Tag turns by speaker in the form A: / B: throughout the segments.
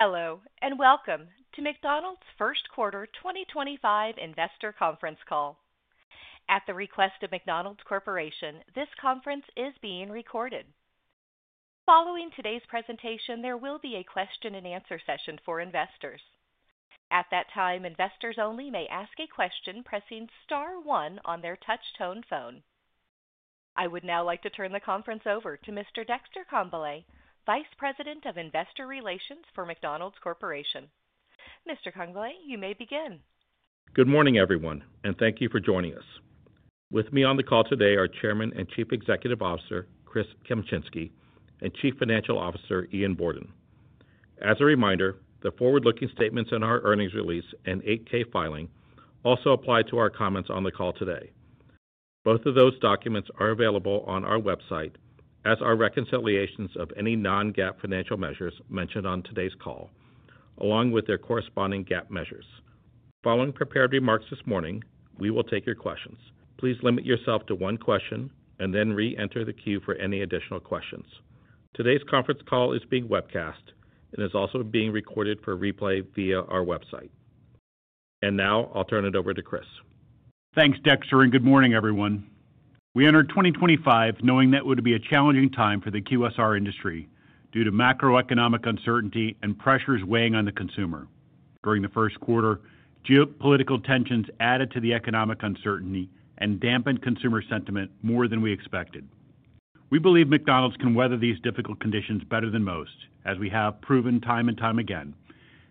A: Hello, and welcome to McDonald's first quarter 2025 investor conference call. At the request of McDonald's Corporation, this conference is being recorded. Following today's presentation, there will be a question-and-answer session for investors. At that time, investors only may ask a question, pressing star one on their touch-tone phone. I would now like to turn the conference over to Mr. Dexter Congbalay, Vice President of Investor Relations for McDonald's Corporation. Mr. Congbalay, you may begin.
B: Good morning, everyone, and thank you for joining us. With me on the call today are Chairman and Chief Executive Officer Chris Kempczinski and Chief Financial Officer Ian Borden. As a reminder, the forward-looking statements in our earnings release and 8-K filing also apply to our comments on the call today. Both of those documents are available on our website as are reconciliations of any Non-GAAP financial measures mentioned on today's call, along with their corresponding GAAP measures. Following prepared remarks this morning, we will take your questions. Please limit yourself to one question and then re-enter the queue for any additional questions. Today's conference call is being webcast and is also being recorded for replay via our website. Now I'll turn it over to Chris.
C: Thanks, Dexter, and good morning, everyone. We entered 2025 knowing that it would be a challenging time for the QSR industry due to macroeconomic uncertainty and pressures weighing on the consumer. During the first quarter, geopolitical tensions added to the economic uncertainty and dampened consumer sentiment more than we expected. We believe McDonald's can weather these difficult conditions better than most, as we have proven time and time again,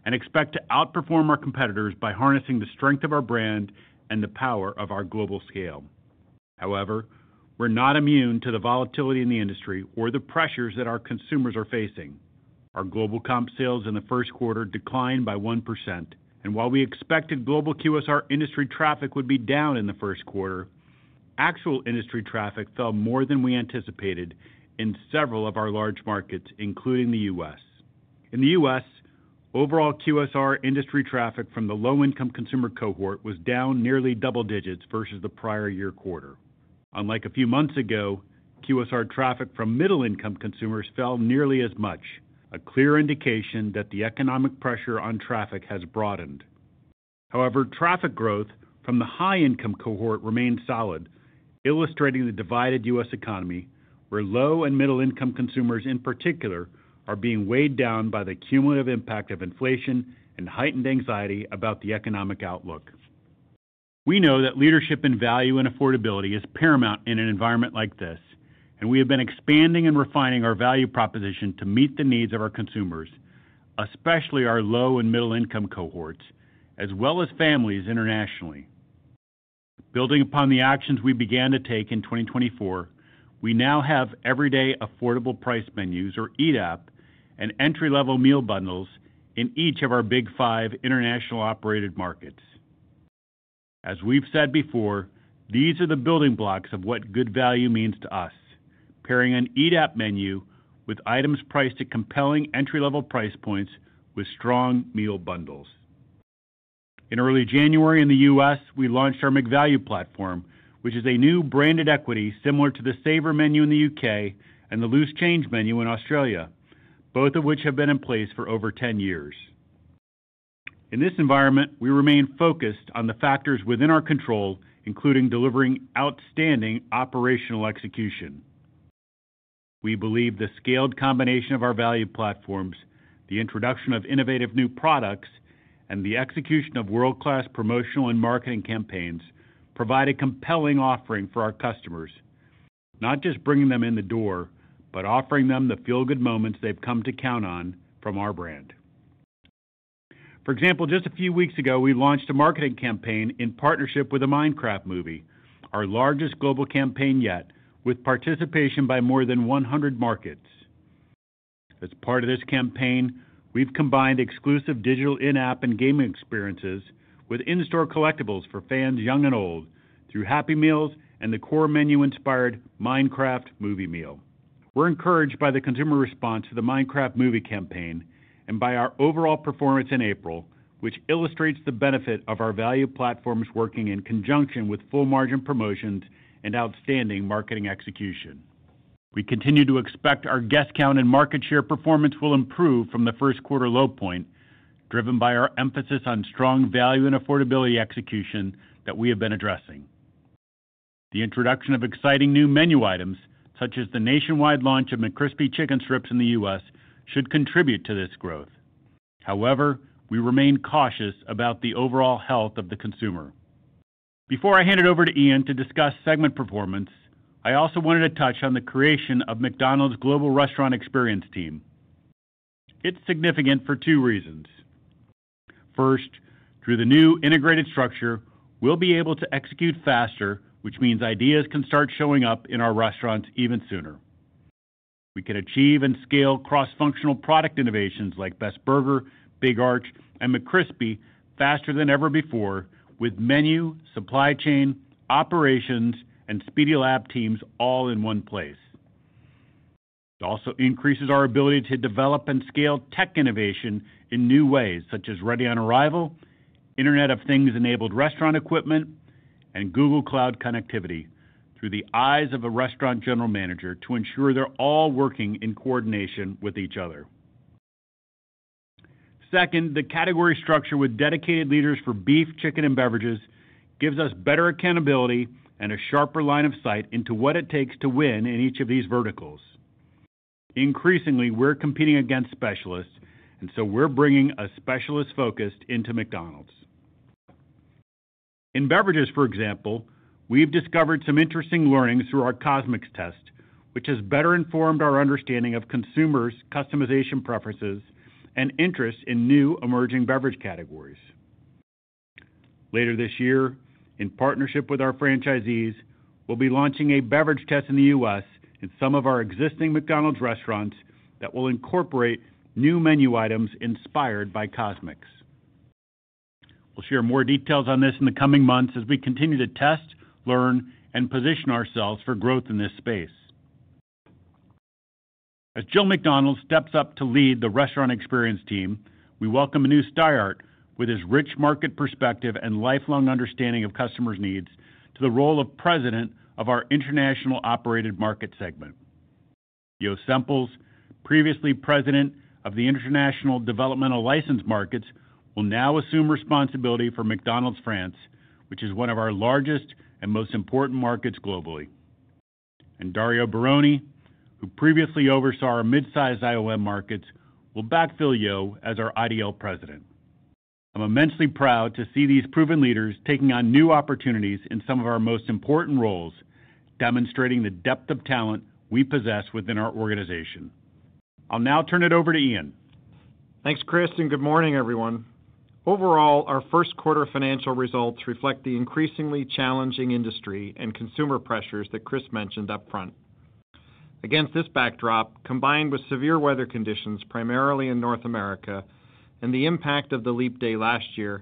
C: and expect to outperform our competitors by harnessing the strength of our brand and the power of our global scale. However, we're not immune to the volatility in the industry or the pressures that our consumers are facing. Our global comp sales in the first quarter declined by 1%, and while we expected global QSR industry traffic would be down in the first quarter, actual industry traffic fell more than we anticipated in several of our large markets, including the U.S. In the U.S., overall QSR industry traffic from the low-income consumer cohort was down nearly double digits versus the prior year quarter. Unlike a few months ago, QSR traffic from middle-income consumers fell nearly as much, a clear indication that the economic pressure on traffic has broadened. However, traffic growth from the high-income cohort remained solid, illustrating the divided U.S. economy, where low and middle-income consumers in particular are being weighed down by the cumulative impact of inflation and heightened anxiety about the economic outlook. We know that leadership in value and affordability is paramount in an environment like this, and we have been expanding and refining our value proposition to meet the needs of our consumers, especially our low and middle-income cohorts, as well as families internationally. Building upon the actions we began to take in 2024, we now have everyday affordable price menus, or EDAP, and entry-level meal bundles in each of our Big Five international-operated markets. As we've said before, these are the building blocks of what good value means to us, pairing an EDAP menu with items priced at compelling entry-level price points with strong meal bundles. In early January in the U.S., we launched our McValue platform, which is a new branded equity similar to the Saver menu in the UK and the Loose Change menu in Australia, both of which have been in place for over 10 years. In this environment, we remain focused on the factors within our control, including delivering outstanding operational execution. We believe the scaled combination of our value platforms, the introduction of innovative new products, and the execution of world-class promotional and marketing campaigns provide a compelling offering for our customers, not just bringing them in the door, but offering them the feel-good moments they've come to count on from our brand. For example, just a few weeks ago, we launched a marketing campaign in partnership with A Minecraft Movie, our largest global campaign yet, with participation by more than 100 markets. As part of this campaign, we've combined exclusive digital in-app and gaming experiences with in-store collectibles for fans young and old through Happy Meals and the core menu-inspired Minecraft Movie Meal. We're encouraged by the consumer response to the Minecraft Movie campaign and by our overall performance in April, which illustrates the benefit of our value platforms working in conjunction with full-margin promotions and outstanding marketing execution. We continue to expect our guest count and market share performance will improve from the first quarter low point, driven by our emphasis on strong value and affordability execution that we have been addressing. The introduction of exciting new menu items, such as the nationwide launch of McCrispy chicken strips in the U.S., should contribute to this growth. However, we remain cautious about the overall health of the consumer. Before I hand it over to Ian to discuss segment performance, I also wanted to touch on the creation of McDonald's Global Restaurant Experience Team. It is significant for two reasons. First, through the new integrated structure, we will be able to execute faster, which means ideas can start showing up in our restaurants even sooner. We can achieve and scale cross-functional product innovations like Best Burger, Big Arch, and McCrispy faster than ever before, with menu, supply chain, operations, and Speedee Lab teams all in one place. It also increases our ability to develop and scale tech innovation in new ways, such as ready-on-arrival, Internet of Things-enabled restaurant equipment, and Google Cloud connectivity through the eyes of a restaurant general manager to ensure they're all working in coordination with each other. Second, the category structure with dedicated leaders for beef, chicken, and beverages gives us better accountability and a sharper line of sight into what it takes to win in each of these verticals. Increasingly, we're competing against specialists, and so we're bringing a specialist focus into McDonald's. In beverages, for example, we've discovered some interesting learnings through our CosMc's test, which has better informed our understanding of consumers' customization preferences and interests in new emerging beverage categories. Later this year, in partnership with our franchisees, we'll be launching a beverage test in the U.S. in some of our existing McDonald's restaurants that will incorporate new menu items inspired by CosMc's. We'll share more details on this in the coming months as we continue to test, learn, and position ourselves for growth in this space. As Jill McDonald steps up to lead the Restaurant Experience Team, we welcome a new Steyr with his rich market perspective and lifelong understanding of customers' needs to the role of President of our International Operated Market segment. Jo Sempels, previously President of the International Developmental Licensed Markets, will now assume responsibility for McDonald's France, which is one of our largest and most important markets globally. Dario Baroni, who previously oversaw our midsize IOM markets, will backfill Jo as our IDL President. I'm immensely proud to see these proven leaders taking on new opportunities in some of our most important roles, demonstrating the depth of talent we possess within our organization. I'll now turn it over to Ian.
D: Thanks, Chris, and good morning, everyone. Overall, our first quarter financial results reflect the increasingly challenging industry and consumer pressures that Chris mentioned upfront. Against this backdrop, combined with severe weather conditions primarily in North America and the impact of the leap day last year,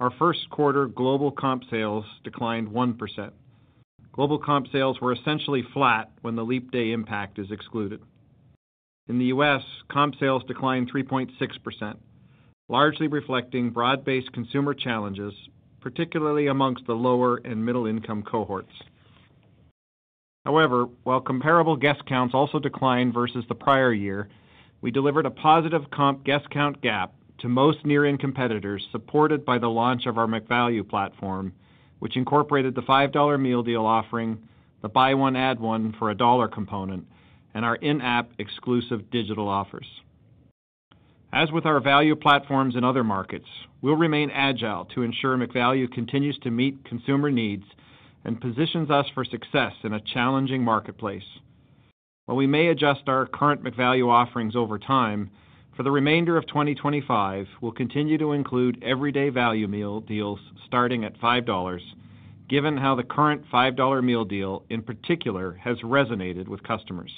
D: our first quarter global comp sales declined 1%. Global comp sales were essentially flat when the leap day impact is excluded. In the U.S., comp sales declined 3.6%, largely reflecting broad-based consumer challenges, particularly amongst the lower and middle-income cohorts. However, while comparable guest counts also declined versus the prior year, we delivered a positive comp guest count gap to most near-in competitors supported by the launch of our McValue platform, which incorporated the $5 meal deal offering, the buy one add one for a dollar component, and our in-app exclusive digital offers. As with our value platforms in other markets, we'll remain agile to ensure McValue continues to meet consumer needs and positions us for success in a challenging marketplace. While we may adjust our current McValue offerings over time, for the remainder of 2025, we'll continue to include everyday value meal deals starting at $5, given how the current $5 meal deal in particular has resonated with customers.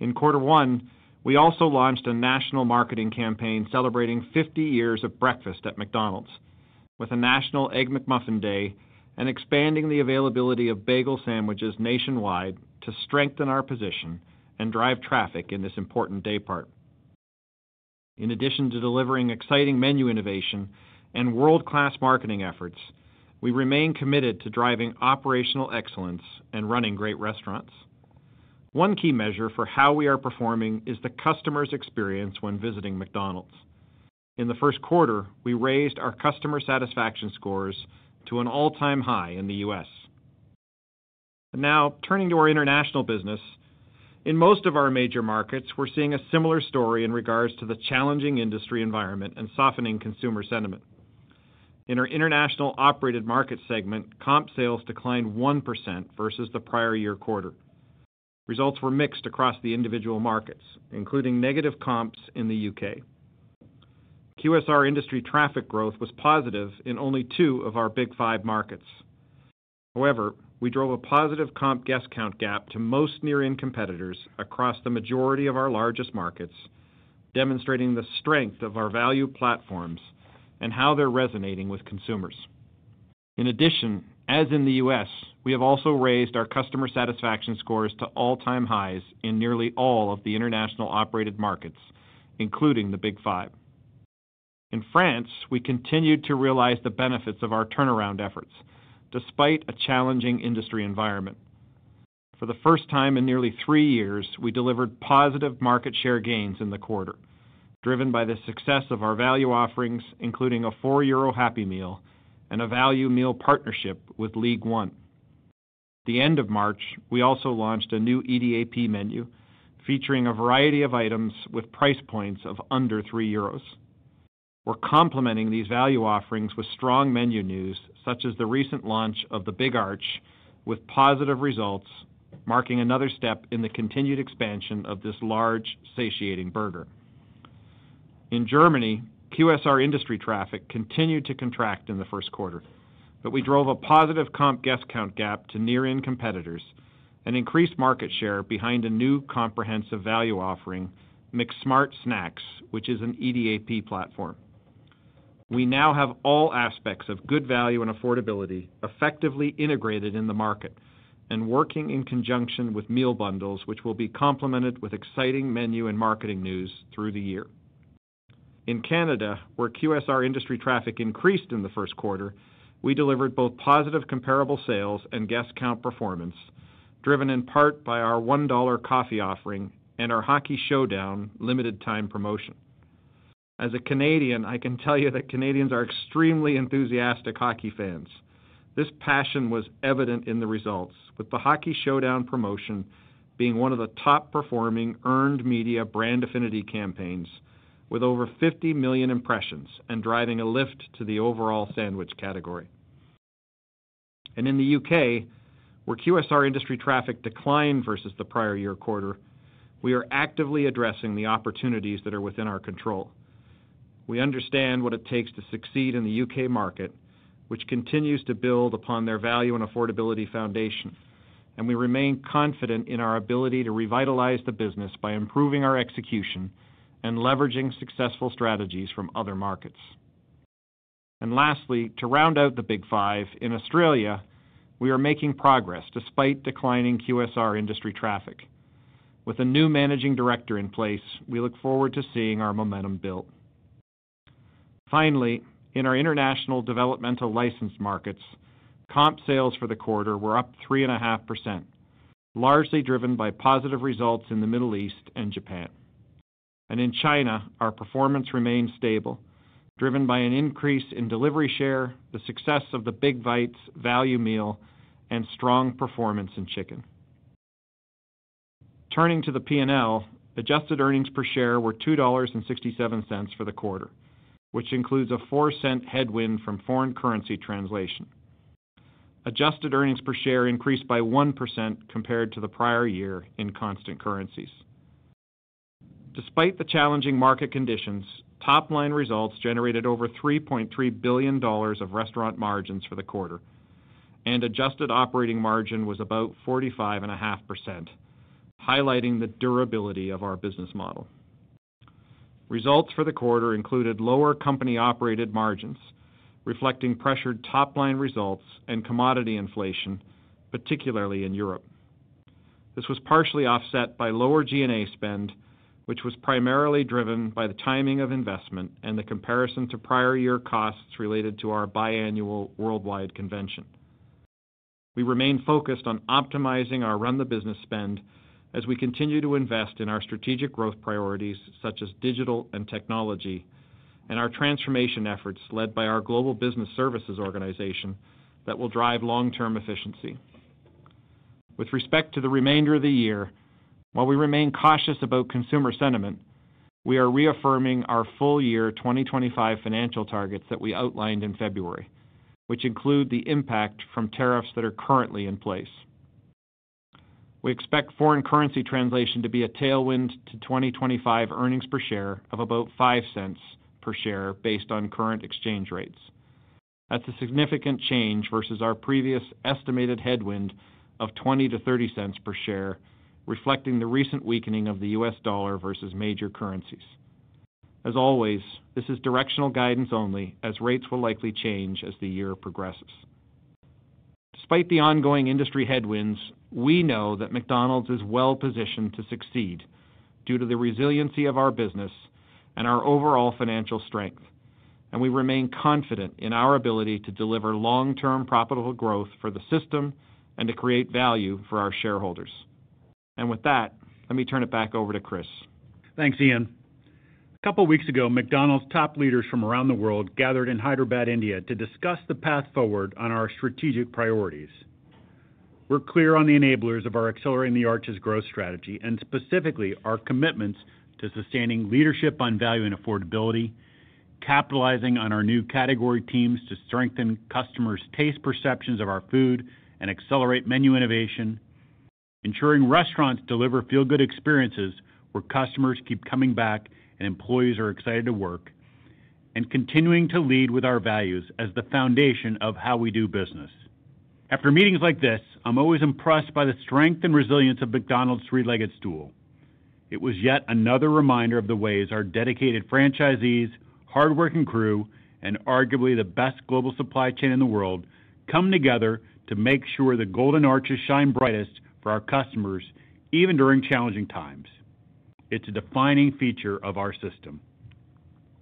D: In quarter one, we also launched a national marketing campaign celebrating 50 years of breakfast at McDonald's, with a national Egg McMuffin Day and expanding the availability of bagel sandwiches nationwide to strengthen our position and drive traffic in this important day part. In addition to delivering exciting menu innovation and world-class marketing efforts, we remain committed to driving operational excellence and running great restaurants. One key measure for how we are performing is the customer's experience when visiting McDonald's. In the first quarter, we raised our customer satisfaction scores to an all-time high in the U.S. Now, turning to our international business, in most of our major markets, we're seeing a similar story in regards to the challenging industry environment and softening consumer sentiment. In our international-operated market segment, comp sales declined 1% versus the prior year quarter. Results were mixed across the individual markets, including negative comps in the UK. QSR industry traffic growth was positive in only two of our Big Five markets. However, we drove a positive comp guest count gap to most near-in competitors across the majority of our largest markets, demonstrating the strength of our value platforms and how they're resonating with consumers. In addition, as in the U.S., we have also raised our customer satisfaction scores to all-time highs in nearly all of the international-operated markets, including the Big Five. In France, we continued to realize the benefits of our turnaround efforts despite a challenging industry environment. For the first time in nearly three years, we delivered positive market share gains in the quarter, driven by the success of our value offerings, including a EUR 4 Happy Meal and a value meal partnership with League One. At the end of March, we also launched a new EDAP menu featuring a variety of items with price points of under 3 euros. We're complementing these value offerings with strong menu news, such as the recent launch of the Big Arch, with positive results marking another step in the continued expansion of this large, satiating burger. In Germany, QSR industry traffic continued to contract in the first quarter, but we drove a positive comp guest count gap to near-in competitors and increased market share behind a new comprehensive value offering, McSmart Snacks, which is an EDAP platform. We now have all aspects of good value and affordability effectively integrated in the market and working in conjunction with meal bundles, which will be complemented with exciting menu and marketing news through the year. In Canada, where QSR industry traffic increased in the first quarter, we delivered both positive comparable sales and guest count performance, driven in part by our $1 coffee offering and our Hockey Showdown limited-time promotion. As a Canadian, I can tell you that Canadians are extremely enthusiastic hockey fans. This passion was evident in the results, with the Hockey Showdown promotion being one of the top-performing earned media brand affinity campaigns, with over 50 million impressions and driving a lift to the overall sandwich category. In the UK, where QSR industry traffic declined versus the prior year quarter, we are actively addressing the opportunities that are within our control. We understand what it takes to succeed in the UK market, which continues to build upon their value and affordability foundation, and we remain confident in our ability to revitalize the business by improving our execution and leveraging successful strategies from other markets. Lastly, to round out the Big Five, in Australia, we are making progress despite declining QSR industry traffic. With a new managing director in place, we look forward to seeing our momentum built. Finally, in our international developmental license markets, comp sales for the quarter were up 3.5%, largely driven by positive results in the Middle East and Japan. In China, our performance remained stable, driven by an increase in delivery share, the success of the Big Bite's Value Meal, and strong performance in chicken. Turning to the P&L, adjusted earnings per share were $2.67 for the quarter, which includes a $0.04 headwind from foreign currency translation. Adjusted earnings per share increased by 1% compared to the prior year in constant currencies. Despite the challenging market conditions, top-line results generated over $3.3 billion of restaurant margins for the quarter, and adjusted operating margin was about 45.5%, highlighting the durability of our business model. Results for the quarter included lower company-operated margins, reflecting pressured top-line results and commodity inflation, particularly in Europe. This was partially offset by lower G&A spend, which was primarily driven by the timing of investment and the comparison to prior year costs related to our biannual worldwide convention. We remain focused on optimizing our run-the-business spend as we continue to invest in our strategic growth priorities, such as digital and technology, and our transformation efforts led by our global business services organization that will drive long-term efficiency. With respect to the remainder of the year, while we remain cautious about consumer sentiment, we are reaffirming our full-year 2025 financial targets that we outlined in February, which include the impact from tariffs that are currently in place. We expect foreign currency translation to be a tailwind to 2025 earnings per share of about $0.05 per share based on current exchange rates. That's a significant change versus our previous estimated headwind of $0.20-$0.30 per share, reflecting the recent weakening of the U.S. dollar versus major currencies. As always, this is directional guidance only, as rates will likely change as the year progresses. Despite the ongoing industry headwinds, we know that McDonald's is well-positioned to succeed due to the resiliency of our business and our overall financial strength, and we remain confident in our ability to deliver long-term profitable growth for the system and to create value for our shareholders. Let me turn it back over to Chris.
C: Thanks, Ian. A couple of weeks ago, McDonald's top leaders from around the world gathered in Hyderabad, India, to discuss the path forward on our strategic priorities. We're clear on the enablers of our Accelerating the Arch's growth strategy and specifically our commitments to sustaining leadership on value and affordability, capitalizing on our new category teams to strengthen customers' taste perceptions of our food and accelerate menu innovation, ensuring restaurants deliver feel-good experiences where customers keep coming back and employees are excited to work, and continuing to lead with our values as the foundation of how we do business. After meetings like this, I'm always impressed by the strength and resilience of McDonald's three-legged stool. It was yet another reminder of the ways our dedicated franchisees, hardworking crew, and arguably the best global supply chain in the world come together to make sure the Golden Arches shine brightest for our customers even during challenging times. It's a defining feature of our system.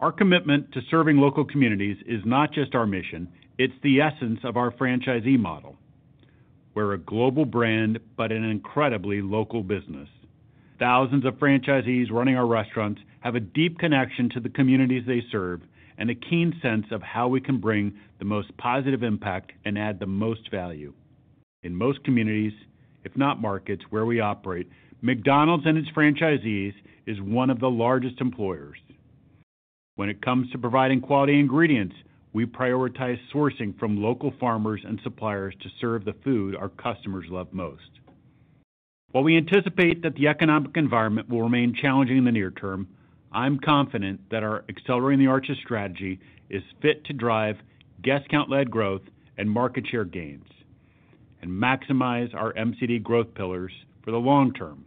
C: Our commitment to serving local communities is not just our mission; it's the essence of our franchisee model. We're a global brand, but an incredibly local business. Thousands of franchisees running our restaurants have a deep connection to the communities they serve and a keen sense of how we can bring the most positive impact and add the most value. In most communities, if not markets where we operate, McDonald's and its franchisees is one of the largest employers. When it comes to providing quality ingredients, we prioritize sourcing from local farmers and suppliers to serve the food our customers love most. While we anticipate that the economic environment will remain challenging in the near term, I'm confident that our Accelerating the Arch's strategy is fit to drive guest count-led growth and market share gains and maximize our MCD growth pillars for the long term.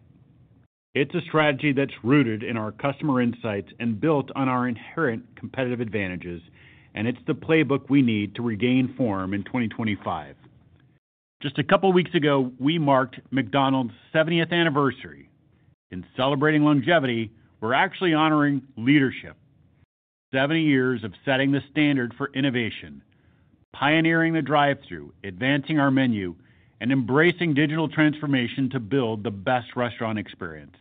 C: It's a strategy that's rooted in our customer insights and built on our inherent competitive advantages, and it's the playbook we need to regain form in 2025. Just a couple of weeks ago, we marked McDonald's 70th anniversary. In celebrating longevity, we're actually honoring leadership: 70 years of setting the standard for innovation, pioneering the drive-through, advancing our menu, and embracing digital transformation to build the best restaurant experience.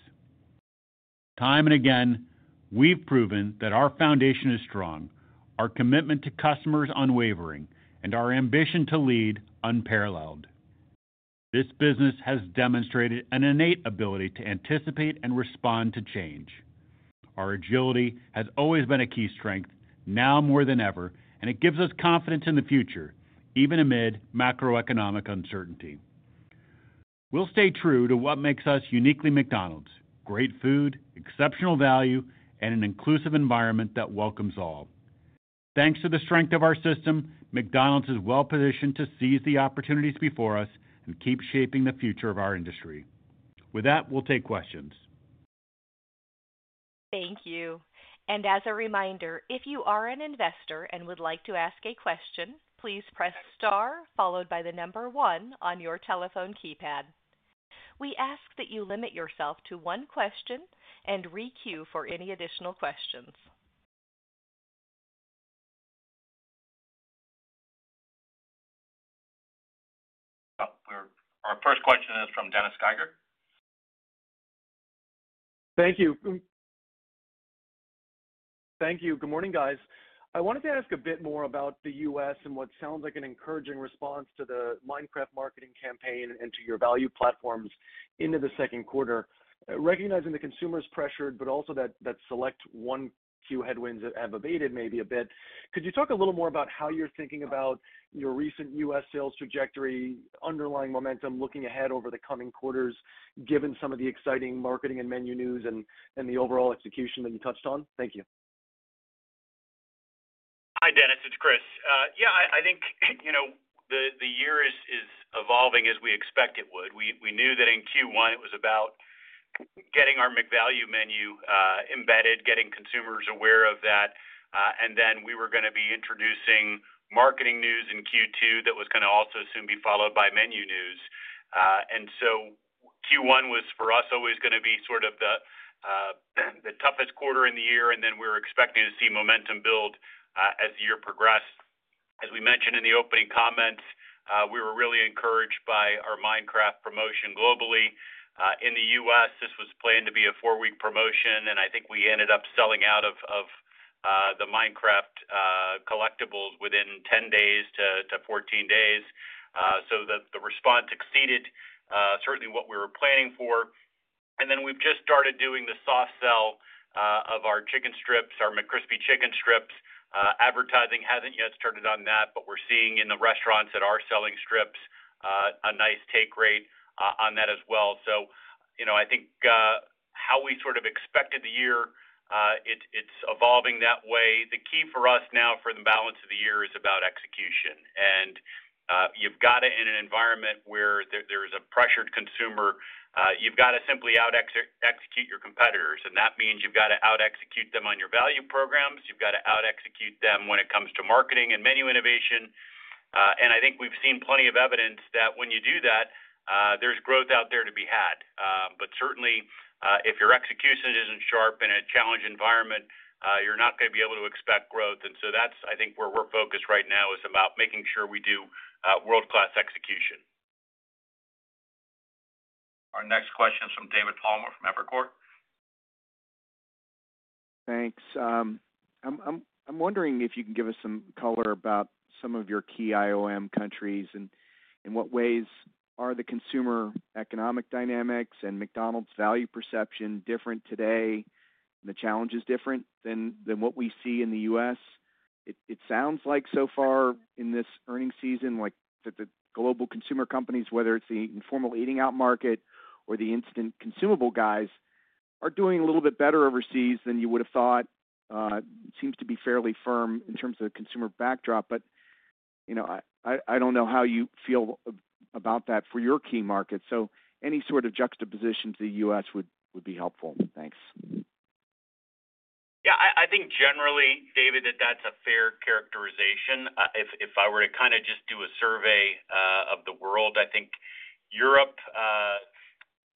C: Time and again, we've proven that our foundation is strong, our commitment to customers unwavering, and our ambition to lead unparalleled. This business has demonstrated an innate ability to anticipate and respond to change. Our agility has always been a key strength, now more than ever, and it gives us confidence in the future, even amid macroeconomic uncertainty. We'll stay true to what makes us uniquely McDonald's: great food, exceptional value, and an inclusive environment that welcomes all. Thanks to the strength of our system, McDonald's is well-positioned to seize the opportunities before us and keep shaping the future of our industry. With that, we'll take questions.
A: Thank you. As a reminder, if you are an investor and would like to ask a question, please press star followed by the number one on your telephone keypad. We ask that you limit yourself to one question and re-queue for any additional questions.
B: Our first question is from Dennis Geiger.
E: Thank you. Thank you. Good morning, guys. I wanted to ask a bit more about the U.S. and what sounds like an encouraging response to the Minecraft marketing campaign and to your value platforms into the second quarter. Recognizing the consumer's pressured, but also that select one-queue headwinds have abated maybe a bit, could you talk a little more about how you're thinking about your recent U.S. sales trajectory, underlying momentum, looking ahead over the coming quarters, given some of the exciting marketing and menu news and the overall execution that you touched on? Thank you.
C: Hi, Dennis. It's Chris. Yeah, I think the year is evolving as we expect it would. We knew that in Q1 it was about getting our McValue menu embedded, getting consumers aware of that, and we were going to be introducing marketing news in Q2 that was going to also soon be followed by menu news. Q1 was, for us, always going to be sort of the toughest quarter in the year, and we were expecting to see momentum build as the year progressed. As we mentioned in the opening comments, we were really encouraged by our Minecraft promotion globally. In the U.S., this was planned to be a four-week promotion, and I think we ended up selling out of the Minecraft collectibles within 10 days to 14 days, so that the response exceeded certainly what we were planning for. We have just started doing the soft sell of our chicken strips, our McCrispy chicken strips. Advertising has not yet started on that, but we are seeing in the restaurants that are selling strips a nice take rate on that as well. I think how we sort of expected the year, it is evolving that way. The key for us now for the balance of the year is about execution. You have got to, in an environment where there is a pressured consumer, simply out-execute your competitors. That means you have got to out-execute them on your value programs. You have got to out-execute them when it comes to marketing and menu innovation. I think we have seen plenty of evidence that when you do that, there is growth out there to be had. If your execution isn't sharp in a challenging environment, you're not going to be able to expect growth. I think where we're focused right now is about making sure we do world-class execution.
B: Our next question is from David Palmer from Evercore.
F: Thanks. I'm wondering if you can give us some color about some of your key IOM countries and in what ways are the consumer economic dynamics and McDonald's value perception different today? The challenge is different than what we see in the U.S. It sounds like so far in this earnings season that the global consumer companies, whether it's the informal eating-out market or the instant consumable guys, are doing a little bit better overseas than you would have thought. It seems to be fairly firm in terms of consumer backdrop, but I don't know how you feel about that for your key markets. Any sort of juxtaposition to the U.S. would be helpful. Thanks.
C: Yeah, I think generally, David, that that's a fair characterization. If I were to kind of just do a survey of the world, I think Europe,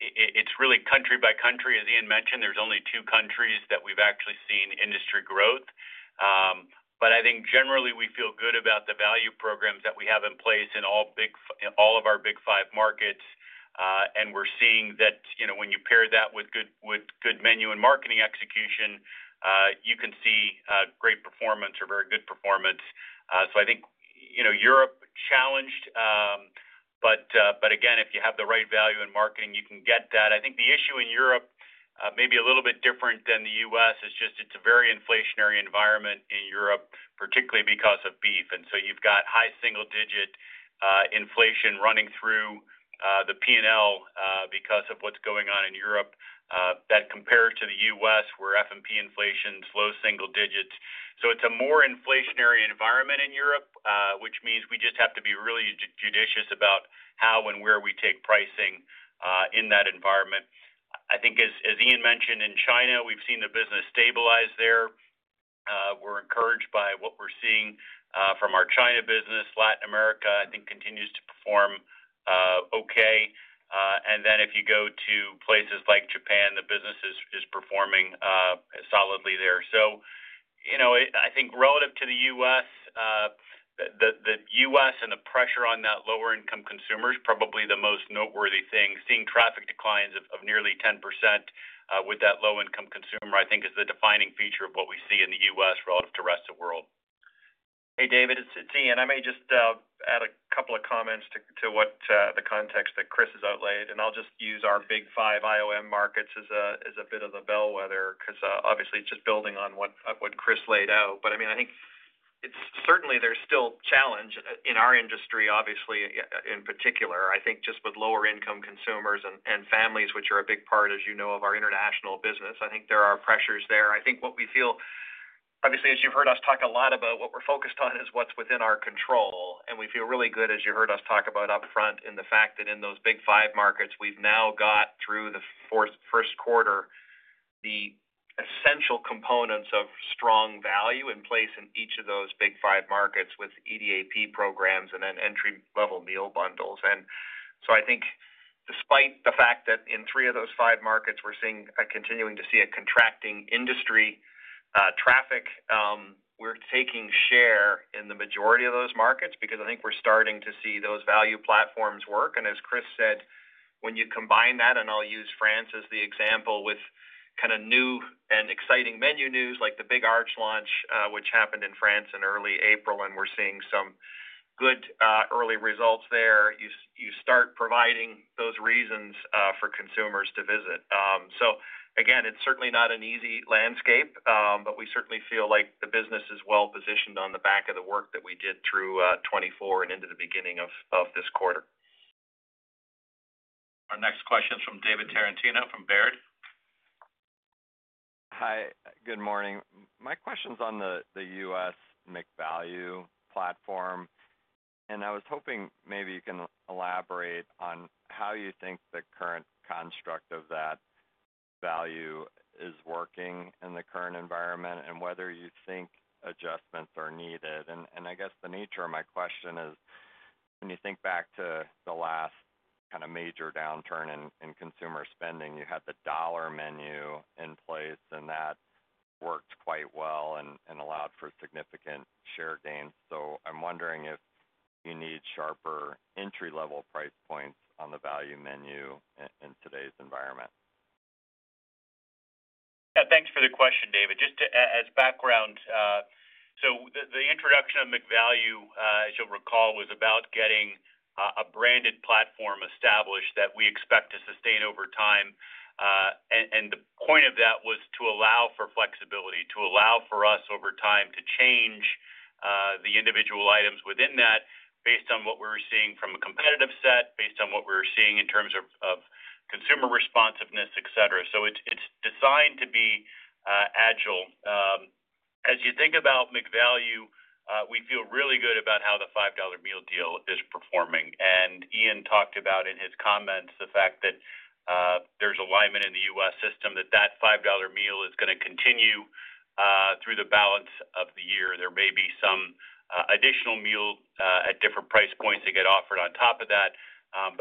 C: it's really country by country, as Ian mentioned. There's only two countries that we've actually seen industry growth. I think generally we feel good about the value programs that we have in place in all of our Big Five markets. We're seeing that when you pair that with good menu and marketing execution, you can see great performance or very good performance. I think Europe challenged, but again, if you have the right value and marketing, you can get that. I think the issue in Europe, maybe a little bit different than the U.S., is just it's a very inflationary environment in Europe, particularly because of beef. You have got high single-digit inflation running through the P&L because of what is going on in Europe that compares to the U.S., where F&P inflation is low single digits. It is a more inflationary environment in Europe, which means we just have to be really judicious about how and where we take pricing in that environment. I think, as Ian mentioned, in China, we have seen the business stabilize there. We are encouraged by what we are seeing from our China business. Latin America, I think, continues to perform okay. If you go to places like Japan, the business is performing solidly there. I think relative to the U.S., the U.S. and the pressure on that lower-income consumer is probably the most noteworthy thing. Seeing traffic declines of nearly 10% with that low-income consumer, I think, is the defining feature of what we see in the U.S. relative to the rest of the world.
D: Hey, David, it's Ian. I may just add a couple of comments to what the context that Chris has outlayed. I'll just use our Big Five IOM markets as a bit of a bellwether because obviously it's just building on what Chris laid out. I mean, I think certainly there's still challenge in our industry, obviously, in particular. I think just with lower-income consumers and families, which are a big part, as you know, of our international business, I think there are pressures there. I think what we feel, obviously, as you've heard us talk a lot about, what we're focused on is what's within our control. We feel really good, as you heard us talk about upfront, in the fact that in those Big Five markets, we've now got through the first quarter the essential components of strong value in place in each of those Big Five markets with EDAP programs and then entry-level meal bundles. I think despite the fact that in three of those five markets, we're continuing to see a contracting industry traffic, we're taking share in the majority of those markets because I think we're starting to see those value platforms work. As Chris said, when you combine that, and I'll use France as the example, with kind of new and exciting menu news like the Big Arch launch, which happened in France in early April, and we're seeing some good early results there, you start providing those reasons for consumers to visit. Again, it's certainly not an easy landscape, but we certainly feel like the business is well-positioned on the back of the work that we did through 2024 and into the beginning of this quarter.
B: Our next question is from David Tarantino from Baird.
G: Hi, good morning. My question's on the U.S. McValue platform. I was hoping maybe you can elaborate on how you think the current construct of that value is working in the current environment and whether you think adjustments are needed. I guess the nature of my question is, when you think back to the last kind of major downturn in consumer spending, you had the dollar menu in place, and that worked quite well and allowed for significant share gains. I'm wondering if you need sharper entry-level price points on the value menu in today's environment.
C: Yeah, thanks for the question, David. Just as background, the introduction of McValue, as you'll recall, was about getting a branded platform established that we expect to sustain over time. The point of that was to allow for flexibility, to allow for us over time to change the individual items within that based on what we were seeing from a competitive set, based on what we were seeing in terms of consumer responsiveness, etc. It is designed to be agile. As you think about McValue, we feel really good about how the $5 meal deal is performing. Ian talked about in his comments the fact that there's alignment in the U.S. system that that $5 meal is going to continue through the balance of the year. There may be some additional meal at different price points that get offered on top of that.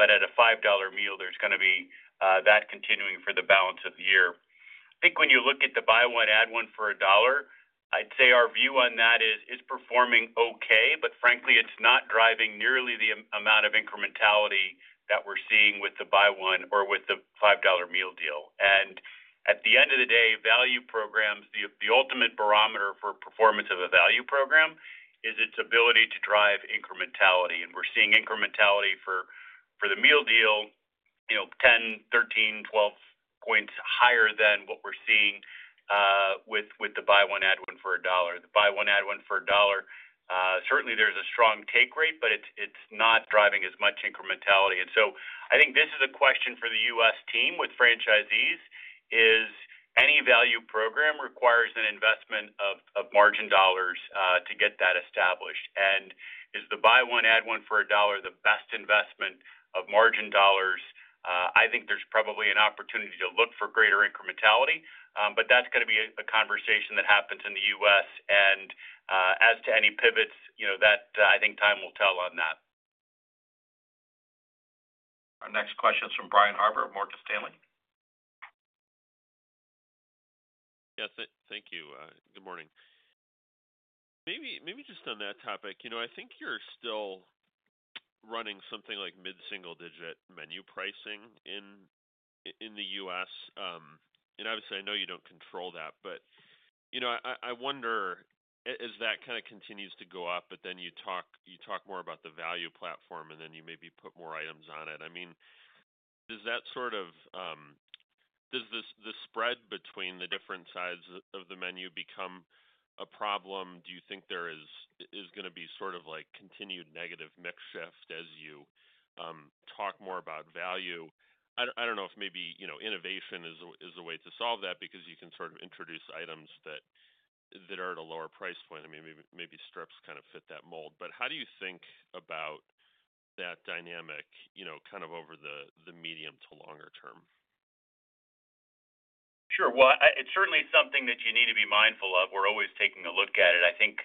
C: At a $5 meal, there's going to be that continuing for the balance of the year. I think when you look at the buy one, add one for a dollar, I'd say our view on that is performing okay, but frankly, it's not driving nearly the amount of incrementality that we're seeing with the buy one or with the $5 meal deal. At the end of the day, value programs, the ultimate barometer for performance of a value program is its ability to drive incrementality. We're seeing incrementality for the meal deal 10, 13, 12 points higher than what we're seeing with the buy one, add one for a dollar. The buy one, add one for a dollar, certainly there's a strong take rate, but it's not driving as much incrementality. I think this is a question for the U.S. team with franchisees, is any value program requires an investment of margin dollars to get that established. Is the buy one, add one for a dollar the best investment of margin dollars? I think there's probably an opportunity to look for greater incrementality, but that's going to be a conversation that happens in the U.S. As to any pivots, I think time will tell on that.
B: Our next question is from Brian Harbour at Morgan Stanley.
H: Yes, thank you. Good morning. Maybe just on that topic, I think you're still running something like mid-single-digit menu pricing in the U.S. Obviously, I know you don't control that, but I wonder as that kind of continues to go up, but then you talk more about the value platform, and then you maybe put more items on it. I mean, does that sort of, does the spread between the different sides of the menu become a problem? Do you think there is going to be sort of like continued negative mix shift as you talk more about value? I don't know if maybe innovation is the way to solve that because you can sort of introduce items that are at a lower price point. I mean, maybe strips kind of fit that mold. How do you think about that dynamic kind of over the medium to longer term?
C: Sure. It is certainly something that you need to be mindful of. We are always taking a look at it. I think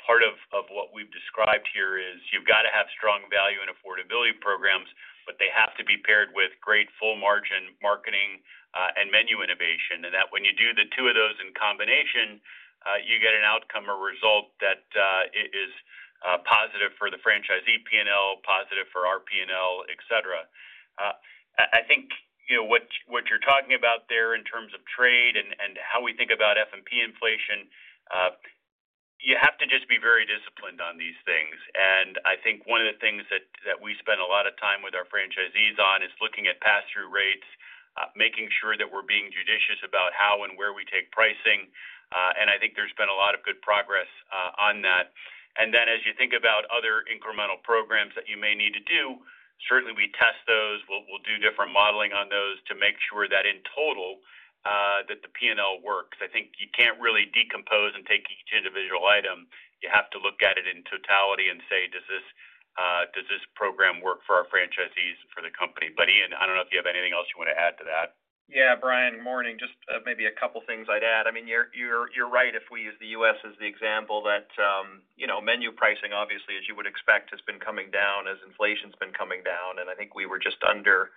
C: part of what we have described here is you have to have strong value and affordability programs, but they have to be paired with great full-margin marketing and menu innovation. When you do the two of those in combination, you get an outcome or result that is positive for the franchise EP&L, positive for our P&L, etc. I think what you are talking about there in terms of trade and how we think about F&P inflation, you have to just be very disciplined on these things. I think one of the things that we spend a lot of time with our franchisees on is looking at pass-through rates, making sure that we are being judicious about how and where we take pricing. I think there has been a lot of good progress on that. As you think about other incremental programs that you may need to do, certainly we test those. We will do different modeling on those to make sure that in total the P&L works. I think you cannot really decompose and take each individual item. You have to look at it in totality and say, "Does this program work for our franchisees and for the company?" Ian, I do not know if you have anything else you want to add to that.
D: Yeah, Brian, morning. Just maybe a couple of things I'd add. I mean, you're right if we use the U.S. as the example that menu pricing, obviously, as you would expect, has been coming down as inflation's been coming down. I think we were just under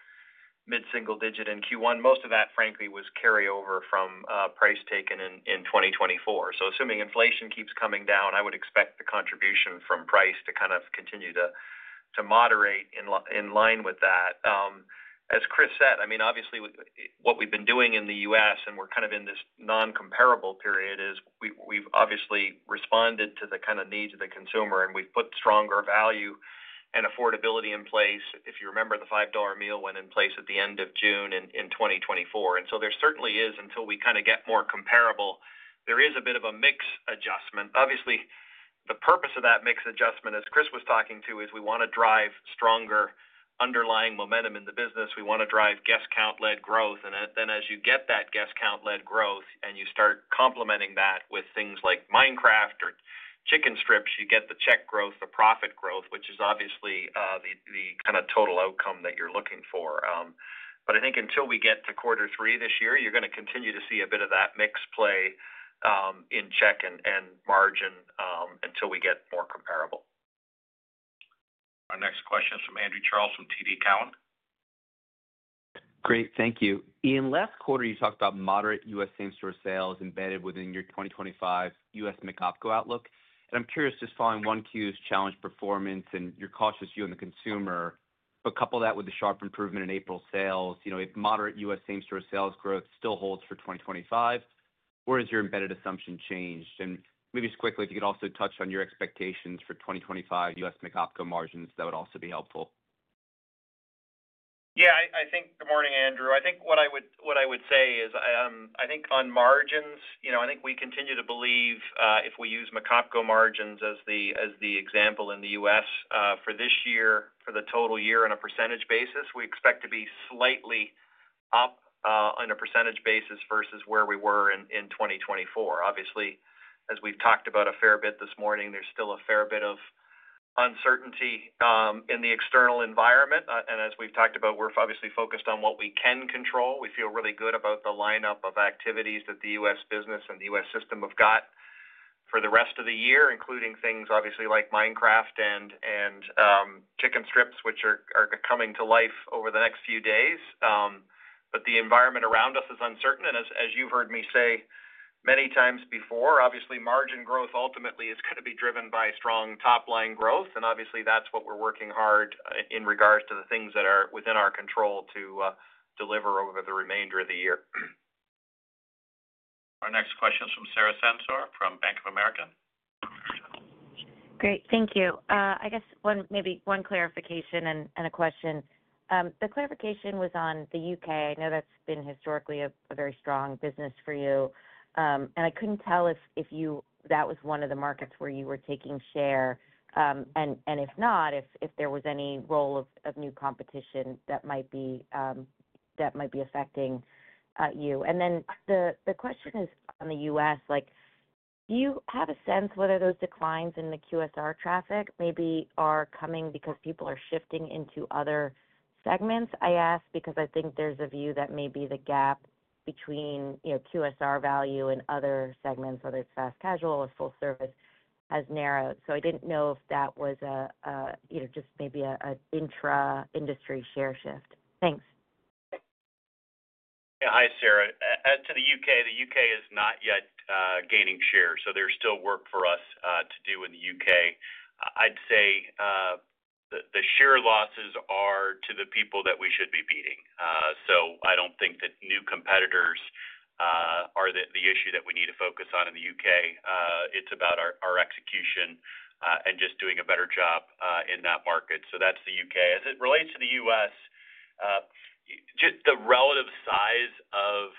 D: mid-single digit in Q1. Most of that, frankly, was carryover from price taken in 2024. Assuming inflation keeps coming down, I would expect the contribution from price to kind of continue to moderate in line with that. As Chris said, I mean, obviously, what we've been doing in the U.S., and we're kind of in this non-comparable period, is we've obviously responded to the kind of needs of the consumer, and we've put stronger value and affordability in place. If you remember, the $5 meal went in place at the end of June in 2024. There certainly is, until we kind of get more comparable, a bit of a mix adjustment. Obviously, the purpose of that mix adjustment, as Chris was talking to, is we want to drive stronger underlying momentum in the business. We want to drive guest count-led growth. As you get that guest count-led growth and you start complementing that with things like Minecraft or chicken strips, you get the check growth, the profit growth, which is obviously the kind of total outcome that you're looking for. I think until we get to quarter three this year, you're going to continue to see a bit of that mix play in check and margin until we get more comparable.
B: Our next question is from Andrew Charles from TD Cowen.
I: Great. Thank you. Ian, last quarter, you talked about moderate U.S. same-store sales embedded within your 2025 U.S. McOpCo outlook. I'm curious, just following 1Q's challenged performance, and your cautious, you and the consumer, but couple that with the sharp improvement in April sales. If moderate U.S. same-store sales growth still holds for 2025, where has your embedded assumption changed? Maybe just quickly, if you could also touch on your expectations for 2025 U.S. McOpCo margins, that would also be helpful.
D: Yeah, I think good morning, Andrew. I think what I would say is I think on margins, I think we continue to believe if we use McOpCo margins as the example in the U.S. for this year, for the total year on a percentage basis, we expect to be slightly up on a percentage basis versus where we were in 2024. Obviously, as we've talked about a fair bit this morning, there's still a fair bit of uncertainty in the external environment. As we've talked about, we're obviously focused on what we can control. We feel really good about the lineup of activities that the U.S. business and the U.S. system have got for the rest of the year, including things obviously like Minecraft and chicken strips, which are coming to life over the next few days. The environment around us is uncertain. As you've heard me say many times before, obviously, margin growth ultimately is going to be driven by strong top-line growth. Obviously, that's what we're working hard in regards to the things that are within our control to deliver over the remainder of the year.
B: Our next question is from Sara Senatore from Bank of America.
J: Great. Thank you. I guess maybe one clarification and a question. The clarification was on the UK I know that's been historically a very strong business for you. I couldn't tell if that was one of the markets where you were taking share. If not, if there was any role of new competition that might be affecting you. The question is on the U.S. Do you have a sense whether those declines in the QSR traffic maybe are coming because people are shifting into other segments? I ask because I think there's a view that maybe the gap between QSR value and other segments, whether it's fast casual or full service, has narrowed. I didn't know if that was just maybe an intra-industry share shift. Thanks.
C: Yeah. Hi, Sara. As to the UK, the UK is not yet gaining share. There is still work for us to do in the UK I'd say the share losses are to the people that we should be beating. I do not think that new competitors are the issue that we need to focus on in the UK. It is about our execution and just doing a better job in that market. That is the UK. As it relates to the U.S., just the relative size of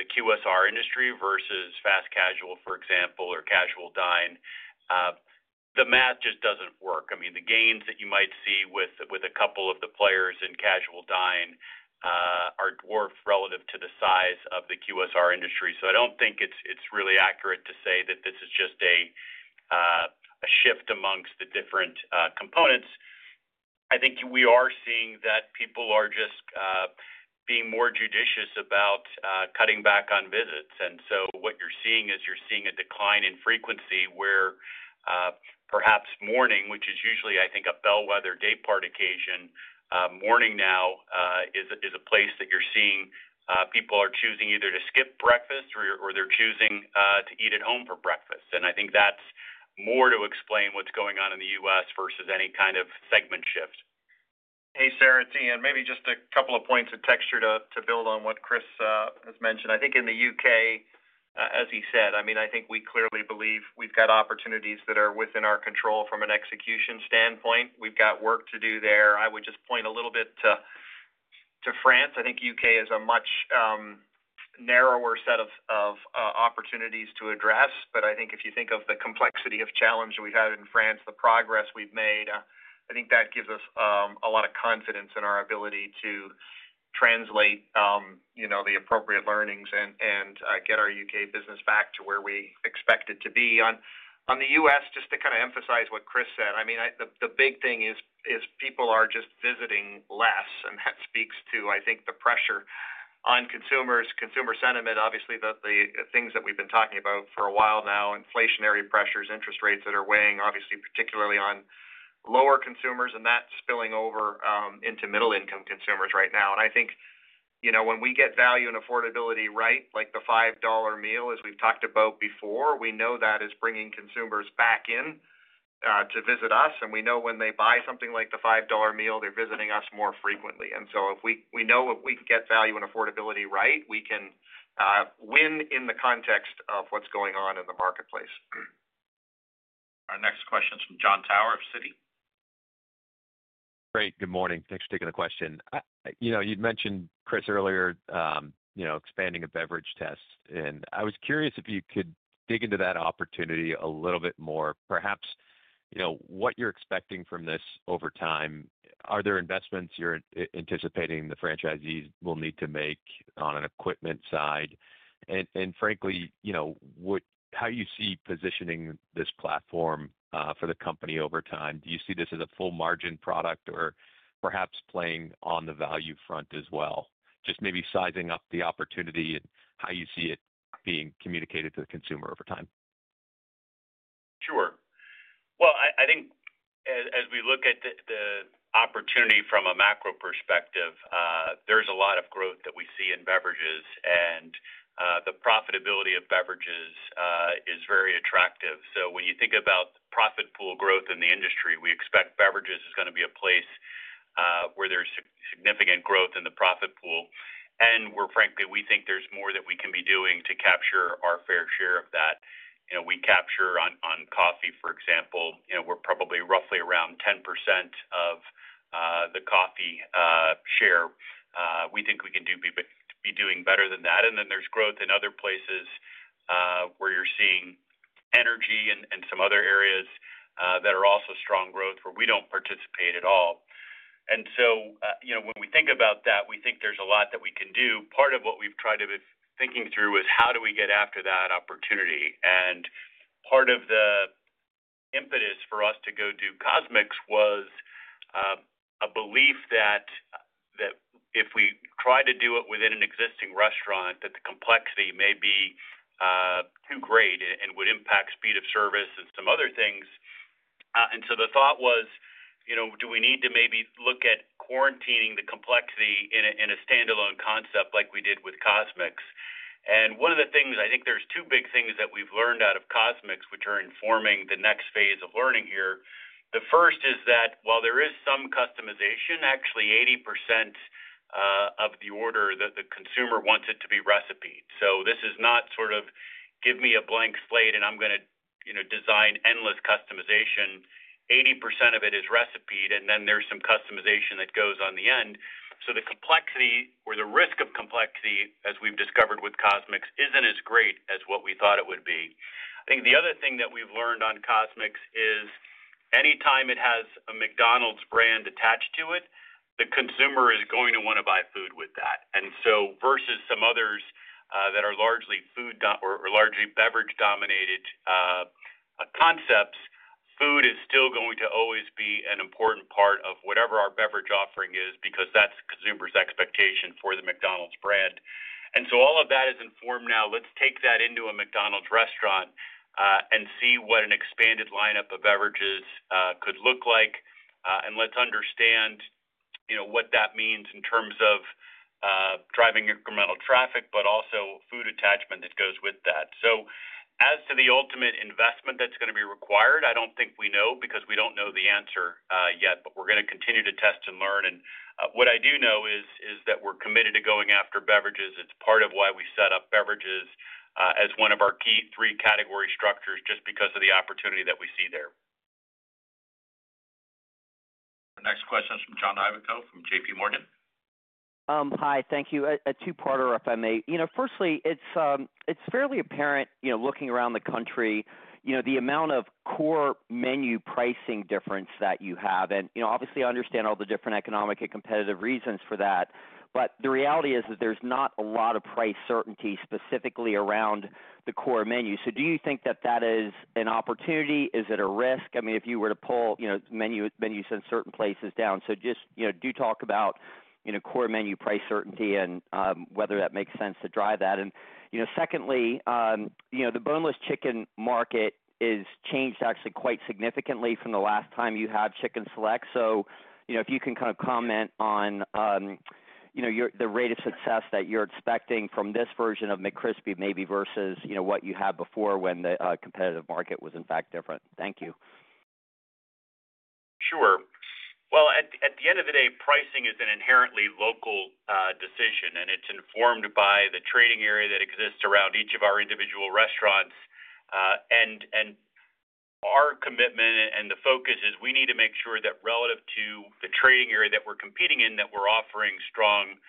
C: the QSR industry versus fast casual, for example, or casual dine, the math just does not work. I mean, the gains that you might see with a couple of the players in casual dining are dwarfed relative to the size of the QSR industry. I do not think it is really accurate to say that this is just a shift amongst the different components. I think we are seeing that people are just being more judicious about cutting back on visits. What you are seeing is you are seeing a decline in frequency where perhaps morning, which is usually, I think, a bellwether daypart occasion, morning now is a place that you are seeing people are choosing either to skip breakfast or they are choosing to eat at home for breakfast. I think that is more to explain what is going on in the U.S. versus any kind of segment shift.
D: Hey, Sara and Ian, maybe just a couple of points of texture to build on what Chris has mentioned. I think in the UK, as he said, I mean, I think we clearly believe we've got opportunities that are within our control from an execution standpoint. We've got work to do there. I would just point a little bit to France. I think UK has a much narrower set of opportunities to address. I think if you think of the complexity of challenge we've had in France, the progress we've made, I think that gives us a lot of confidence in our ability to translate the appropriate learnings and get our UK business back to where we expected to be. On the U.S., just to kind of emphasize what Chris said, I mean, the big thing is people are just visiting less. That speaks to, I think, the pressure on consumers, consumer sentiment, obviously, the things that we've been talking about for a while now, inflationary pressures, interest rates that are weighing obviously particularly on lower consumers, and that's spilling over into middle-income consumers right now. I think when we get value and affordability right, like the $5 meal, as we've talked about before, we know that is bringing consumers back in to visit us. We know when they buy something like the $5 meal, they're visiting us more frequently. If we know if we can get value and affordability right, we can win in the context of what's going on in the marketplace.
B: Our next question is from Jon Tower of Citi.
K: Great. Good morning. Thanks for taking the question. You'd mentioned, Chris, earlier expanding a beverage test. I was curious if you could dig into that opportunity a little bit more. Perhaps what you're expecting from this over time, are there investments you're anticipating the franchisees will need to make on an equipment side? Frankly, how you see positioning this platform for the company over time? Do you see this as a full-margin product or perhaps playing on the value front as well? Just maybe sizing up the opportunity and how you see it being communicated to the consumer over time.
C: Sure. I think as we look at the opportunity from a macro perspective, there's a lot of growth that we see in beverages. The profitability of beverages is very attractive. When you think about profit pool growth in the industry, we expect beverages is going to be a place where there's significant growth in the profit pool. Frankly, we think there's more that we can be doing to capture our fair share of that. We capture on coffee, for example. We're probably roughly around 10% of the coffee share. We think we can be doing better than that. There's growth in other places where you're seeing energy and some other areas that are also strong growth where we don't participate at all. When we think about that, we think there's a lot that we can do. Part of what we've tried to be thinking through is how do we get after that opportunity? Part of the impetus for us to go do CosMc's was a belief that if we try to do it within an existing restaurant, that the complexity may be too great and would impact speed of service and some other things. The thought was, do we need to maybe look at quarantining the complexity in a standalone concept like we did with CosMc's? One of the things, I think there's two big things that we've learned out of CosMc's, which are informing the next phase of learning here. The first is that while there is some customization, actually 80% of the order that the consumer wants it to be reciped. This is not sort of give me a blank slate and I'm going to design endless customization. 80% of it is reciped, and then there's some customization that goes on the end. The complexity or the risk of complexity, as we've discovered with CosMc's, isn't as great as what we thought it would be. I think the other thing that we've learned on CosMc's is anytime it has a McDonald's brand attached to it, the consumer is going to want to buy food with that. Versus some others that are largely food or largely beverage-dominated concepts, food is still going to always be an important part of whatever our beverage offering is because that's consumers' expectation for the McDonald's brand. All of that is informed now. Let's take that into a McDonald's restaurant and see what an expanded lineup of beverages could look like. Let's understand what that means in terms of driving incremental traffic, but also food attachment that goes with that. As to the ultimate investment that's going to be required, I don't think we know because we don't know the answer yet, but we're going to continue to test and learn. What I do know is that we're committed to going after beverages. It's part of why we set up beverages as one of our key three category structures just because of the opportunity that we see there.
B: Our next question is from John Ivankoe from JPMorgan.
L: Hi, thank you. A two-parter if I may. Firstly, it's fairly apparent looking around the country, the amount of core menu pricing difference that you have. And obviously, I understand all the different economic and competitive reasons for that. The reality is that there's not a lot of price certainty specifically around the core menu. Do you think that that is an opportunity? Is it a risk? I mean, if you were to pull menus in certain places down, just do talk about core menu price certainty and whether that makes sense to drive that. Secondly, the boneless chicken market has changed actually quite significantly from the last time you had chicken select. If you can kind of comment on the rate of success that you're expecting from this version of McCrispy maybe versus what you had before when the competitive market was in fact different. Thank you.
C: Sure. At the end of the day, pricing is an inherently local decision, and it's informed by the trading area that exists around each of our individual restaurants. Our commitment and the focus is we need to make sure that relative to the trading area that we're competing in, that we're offering strong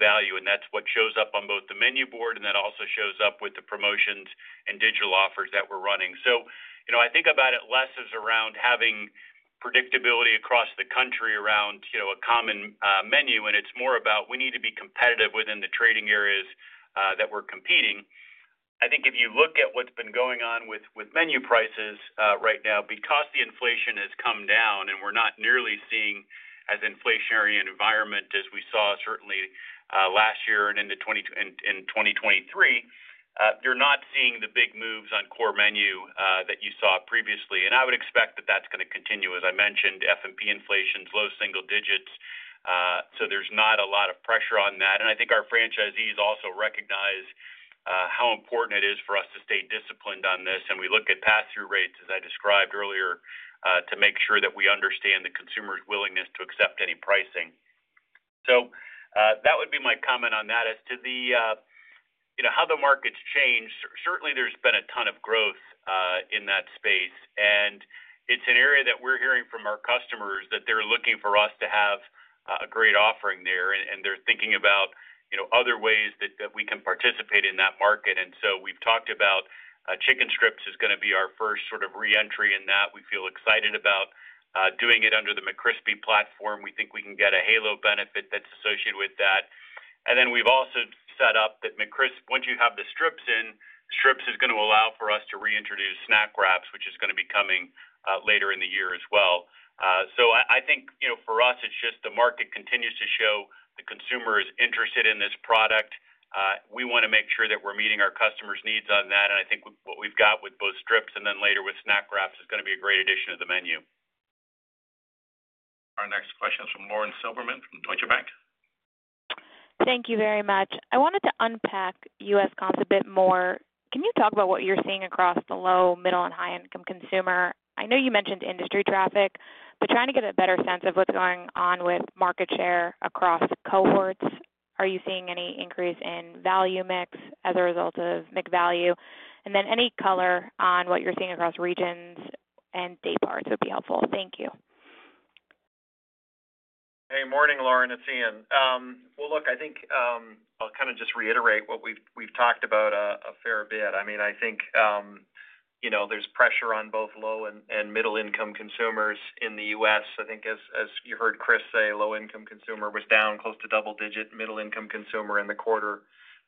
C: value. That's what shows up on both the menu board, and that also shows up with the promotions and digital offers that we're running. I think about it less as around having predictability across the country around a common menu. It's more about we need to be competitive within the trading areas that we're competing. I think if you look at what's been going on with menu prices right now, because the inflation has come down and we're not nearly seeing as inflationary an environment as we saw certainly last year and in 2023, you're not seeing the big moves on core menu that you saw previously. I would expect that that's going to continue. As I mentioned, F&P inflation is low single digits. There's not a lot of pressure on that. I think our franchisees also recognize how important it is for us to stay disciplined on this. We look at pass-through rates, as I described earlier, to make sure that we understand the consumer's willingness to accept any pricing. That would be my comment on that as to how the market's changed. Certainly, there's been a ton of growth in that space. It is an area that we are hearing from our customers that they are looking for us to have a great offering there. They are thinking about other ways that we can participate in that market. We have talked about chicken strips is going to be our first sort of re-entry in that. We feel excited about doing it under the McCrispy platform. We think we can get a halo benefit that is associated with that. We have also set up that McCrispy, once you have the strips in, strips is going to allow for us to reintroduce Snack Wraps, which is going to be coming later in the year as well. I think for us, it is just the market continues to show the consumer is interested in this product. We want to make sure that we are meeting our customers' needs on that. I think what we've got with both strips and then later with Snack Wraps is going to be a great addition to the menu.
B: Our next question is from Lauren Silberman from Deutsche Bank.
M: Thank you very much. I wanted to unpack U.S. costs a bit more. Can you talk about what you're seeing across the low, middle, and high-income consumer? I know you mentioned industry traffic, but trying to get a better sense of what's going on with market share across cohorts. Are you seeing any increase in value mix as a result of McValue? Any color on what you're seeing across regions and dayparts would be helpful. Thank you.
D: Hey, morning, Lauren and Ian. Look, I think I'll kind of just reiterate what we've talked about a fair bit. I mean, I think there's pressure on both low and middle-income consumers in the U.S. I think as you heard Chris say, low-income consumer was down close to double-digit. Middle-income consumer in the quarter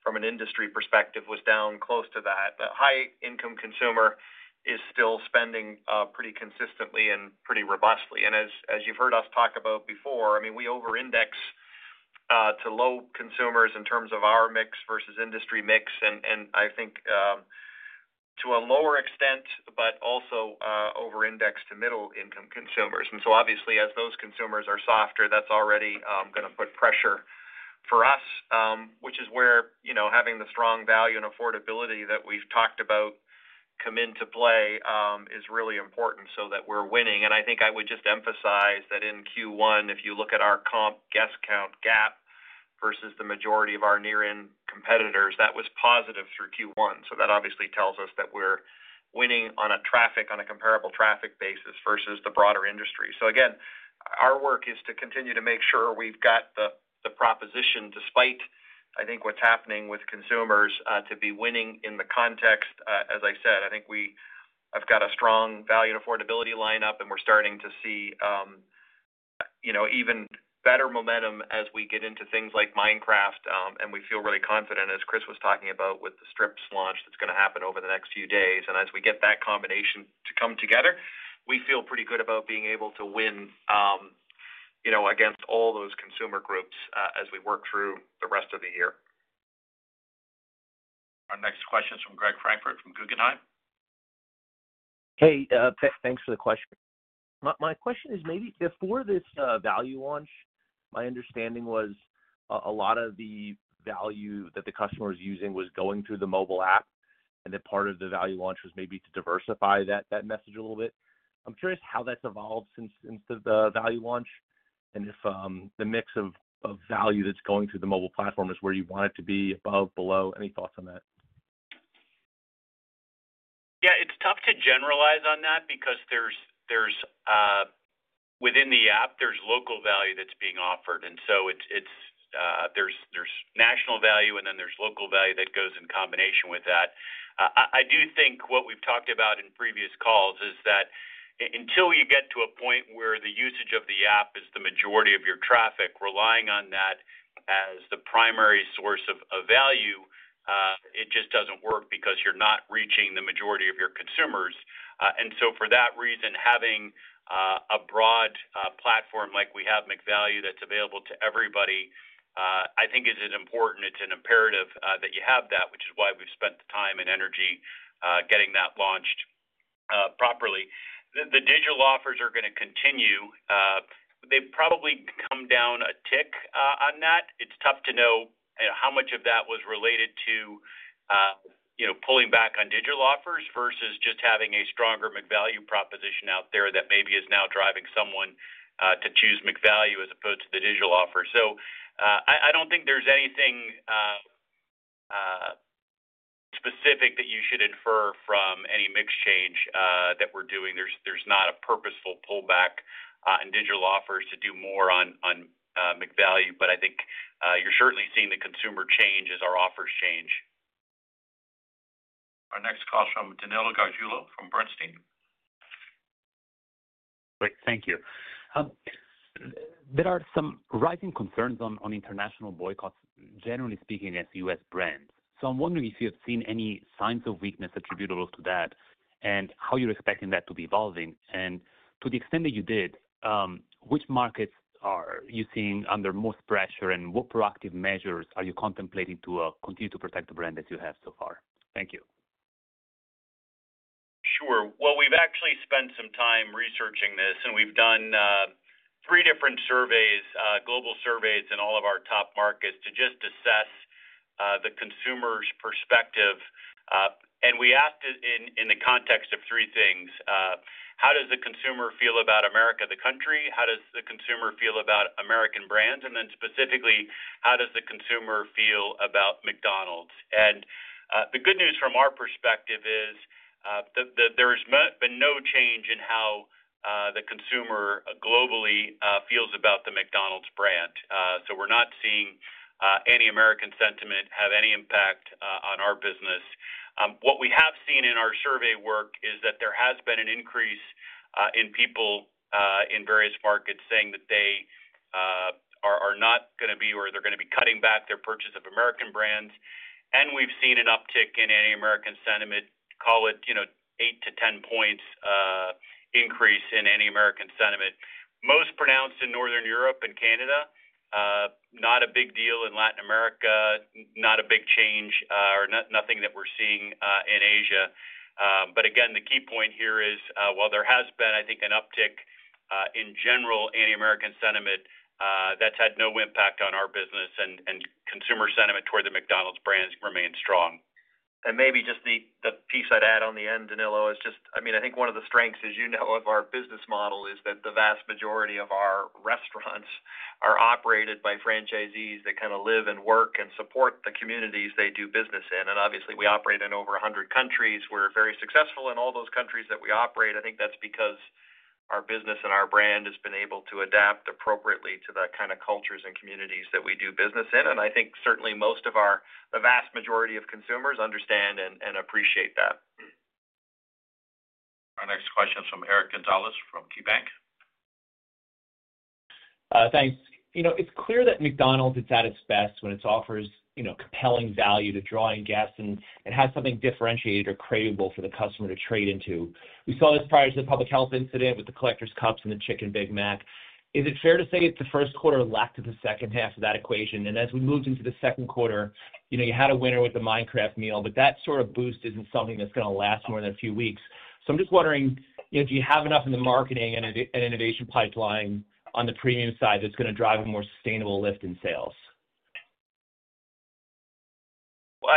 D: from an industry perspective was down close to that. High-income consumer is still spending pretty consistently and pretty robustly. As you've heard us talk about before, I mean, we over-index to low consumers in terms of our mix versus industry mix. I think to a lower extent, but also over-index to middle-income consumers. Obviously, as those consumers are softer, that's already going to put pressure for us, which is where having the strong value and affordability that we've talked about come into play is really important so that we're winning. I think I would just emphasize that in Q1, if you look at our comp guest count gap versus the majority of our near-in competitors, that was positive through Q1. That obviously tells us that we're winning on a traffic, on a comparable traffic basis versus the broader industry. Again, our work is to continue to make sure we've got the proposition despite I think what's happening with consumers to be winning in the context. As I said, I think we have got a strong value and affordability lineup, and we're starting to see even better momentum as we get into things like Minecraft. We feel really confident, as Chris was talking about with the strips launch that's going to happen over the next few days. As we get that combination to come together, we feel pretty good about being able to win against all those consumer groups as we work through the rest of the year.
B: Our next question is from Greg Francfort from Guggenheim.
N: Hey, thanks for the question. My question is maybe before this value launch, my understanding was a lot of the value that the customer is using was going through the mobile app. Part of the value launch was maybe to diversify that message a little bit. I'm curious how that's evolved since the value launch and if the mix of value that's going through the mobile platform is where you want it to be, above, below, any thoughts on that?
C: Yeah, it's tough to generalize on that because within the app, there's local value that's being offered. There's national value, and then there's local value that goes in combination with that. I do think what we've talked about in previous calls is that until you get to a point where the usage of the app is the majority of your traffic, relying on that as the primary source of value, it just doesn't work because you're not reaching the majority of your consumers. For that reason, having a broad platform like we have McValue that's available to everybody, I think is an important, it's an imperative that you have that, which is why we've spent the time and energy getting that launched properly. The digital offers are going to continue. They've probably come down a tick on that. It's tough to know how much of that was related to pulling back on digital offers versus just having a stronger McValue proposition out there that maybe is now driving someone to choose McValue as opposed to the digital offer. I don't think there's anything specific that you should infer from any mix change that we're doing. There's not a purposeful pullback in digital offers to do more on McValue, but I think you're certainly seeing the consumer change as our offers change.
B: Our next call is from Danilo Gargiulo from Bernstein.
O: Great. Thank you. There are some rising concerns on international boycotts, generally speaking, as U.S. brands. I am wondering if you have seen any signs of weakness attributable to that and how you are expecting that to be evolving. To the extent that you did, which markets are you seeing under most pressure, and what proactive measures are you contemplating to continue to protect the brand that you have so far? Thank you.
C: Sure. We've actually spent some time researching this, and we've done three different surveys, global surveys in all of our top markets to just assess the consumer's perspective. We asked it in the context of three things. How does the consumer feel about America, the country? How does the consumer feel about American brands? And then specifically, how does the consumer feel about McDonald's? The good news from our perspective is there's been no change in how the consumer globally feels about the McDonald's brand. We're not seeing any American sentiment have any impact on our business. What we have seen in our survey work is that there has been an increase in people in various markets saying that they are not going to be or they're going to be cutting back their purchase of American brands. We've seen an uptick in anti-American sentiment, call it 8-10 percentage points increase in anti-American sentiment, most pronounced in Northern Europe and Canada, not a big deal in Latin America, not a big change, or nothing that we're seeing in Asia. Again, the key point here is, while there has been, I think, an uptick in general in anti-American sentiment, that's had no impact on our business, and consumer sentiment toward the McDonald's brand remains strong.
D: Maybe just the piece I'd add on the end, Danilo, is just, I mean, I think one of the strengths, as you know, of our business model is that the vast majority of our restaurants are operated by franchisees that kind of live and work and support the communities they do business in. Obviously, we operate in over 100 countries. We're very successful in all those countries that we operate. I think that's because our business and our brand has been able to adapt appropriately to the kind of cultures and communities that we do business in. I think certainly most of our, the vast majority of consumers understand and appreciate that.
B: Our next question is from Eric Gonzalez from KeyBanc.
P: Thanks. It's clear that McDonald's is at its best when it offers compelling value to draw in guests and has something differentiated or credible for the customer to trade into. We saw this prior to the public health incident with the Collector's Edition campaign and the Chicken Big Mac. Is it fair to say the first quarter lacked in the second half of that equation? As we moved into the second quarter, you had a winner with the Minecraft movie meal, but that sort of boost isn't something that's going to last more than a few weeks. I'm just wondering, do you have enough in the marketing and innovation pipeline on the premium side that's going to drive a more sustainable lift in sales?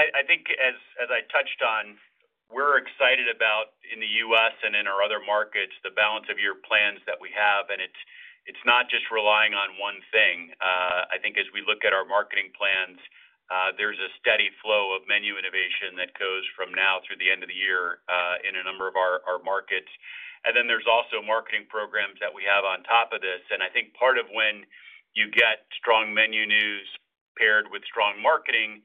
C: I think as I touched on, we're excited about in the U.S. and in our other markets, the balance of your plans that we have. It's not just relying on one thing. I think as we look at our marketing plans, there's a steady flow of menu innovation that goes from now through the end of the year in a number of our markets. There's also marketing programs that we have on top of this. I think part of when you get strong menu news paired with strong marketing,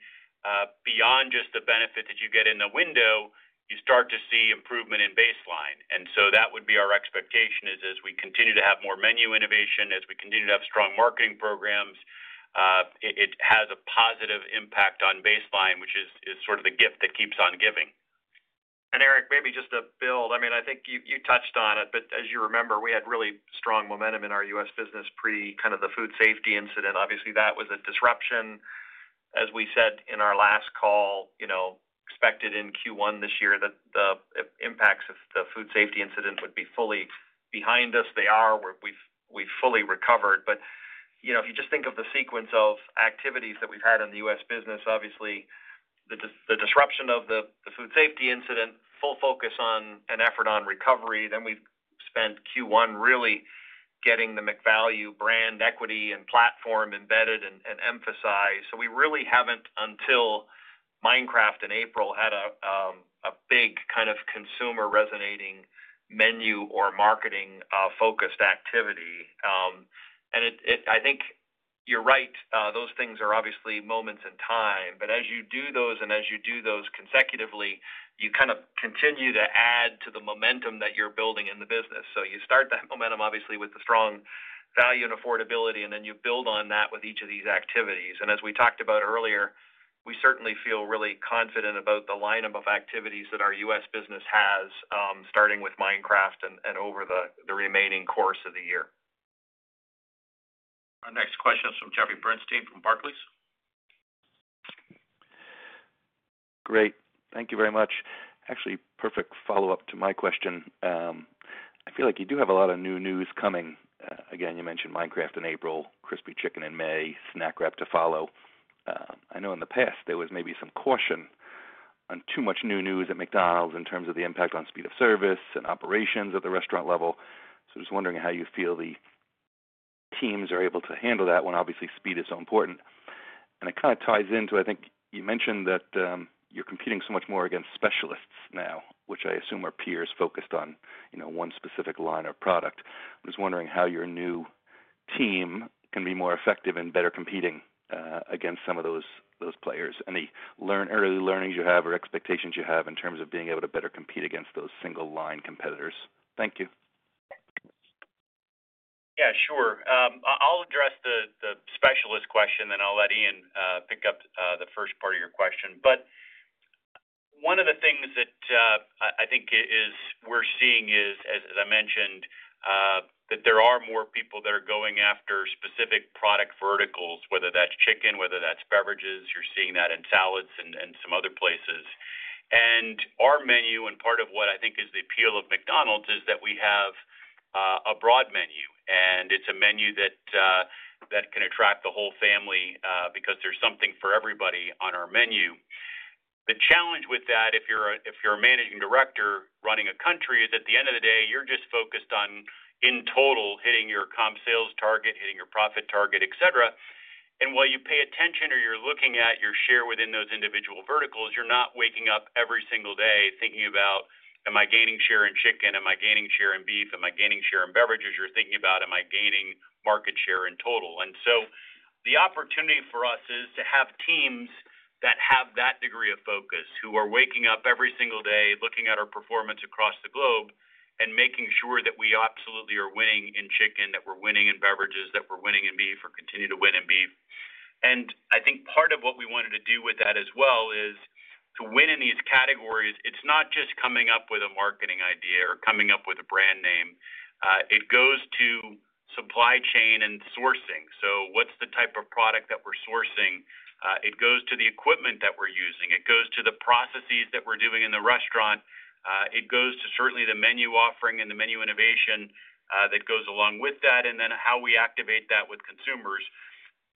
C: beyond just the benefit that you get in the window, you start to see improvement in baseline. That would be our expectation is as we continue to have more menu innovation, as we continue to have strong marketing programs, it has a positive impact on baseline, which is sort of the gift that keeps on giving.
D: Eric, maybe just to build, I mean, I think you touched on it, but as you remember, we had really strong momentum in our U.S. business pre kind of the food safety incident. Obviously, that was a disruption. As we said in our last call, expected in Q1 this year that the impacts of the food safety incident would be fully behind us. They are. We've fully recovered. If you just think of the sequence of activities that we've had in the U.S. business, obviously, the disruption of the food safety incident, full focus on an effort on recovery, we spent Q1 really getting the McValue brand equity and platform embedded and emphasized. We really haven't until Minecraft in April had a big kind of consumer resonating menu or marketing-focused activity. I think you're right. Those things are obviously moments in time. As you do those and as you do those consecutively, you kind of continue to add to the momentum that you're building in the business. You start that momentum, obviously, with the strong value and affordability, and then you build on that with each of these activities. As we talked about earlier, we certainly feel really confident about the lineup of activities that our U.S. business has, starting with Minecraft and over the remaining course of the year.
B: Our next question is from Jeffrey Bernstein from Barclays.
Q: Great. Thank you very much. Actually, perfect follow-up to my question. I feel like you do have a lot of new news coming. Again, you mentioned Minecraft in April, crispy chicken in May, Snack Wrap to follow. I know in the past there was maybe some caution on too much new news at McDonald's in terms of the impact on speed of service and operations at the restaurant level. I was wondering how you feel the teams are able to handle that when obviously speed is so important. It kind of ties into, I think you mentioned that you're competing so much more against specialists now, which I assume are peers focused on one specific line of product. I was wondering how your new team can be more effective in better competing against some of those players and the early learnings you have or expectations you have in terms of being able to better compete against those single-line competitors. Thank you.
C: Yeah, sure. I'll address the specialist question, then I'll let Ian pick up the first part of your question. One of the things that I think we're seeing is, as I mentioned, that there are more people that are going after specific product verticals, whether that's chicken, whether that's beverages. You're seeing that in salads and some other places. Our menu, and part of what I think is the appeal of McDonald's, is that we have a broad menu. It's a menu that can attract the whole family because there's something for everybody on our menu. The challenge with that, if you're a managing director running a country, is at the end of the day, you're just focused on in total hitting your comp sales target, hitting your profit target, etc. While you pay attention or you're looking at your share within those individual verticals, you're not waking up every single day thinking about, "Am I gaining share in chicken? Am I gaining share in beef? Am I gaining share in beverages?" You're thinking about, "Am I gaining market share in total?" The opportunity for us is to have teams that have that degree of focus, who are waking up every single day looking at our performance across the globe and making sure that we absolutely are winning in chicken, that we're winning in beverages, that we're winning in beef, or continue to win in beef. I think part of what we wanted to do with that as well is to win in these categories. It's not just coming up with a marketing idea or coming up with a brand name. It goes to supply chain and sourcing. So what's the type of product that we're sourcing? It goes to the equipment that we're using. It goes to the processes that we're doing in the restaurant. It goes to certainly the menu offering and the menu innovation that goes along with that, and then how we activate that with consumers.